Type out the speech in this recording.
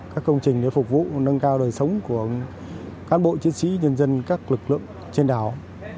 các công trình để phục vụ nâng cao đời sống của cán bộ chiến sĩ nhân dân các lực lượng trên đảo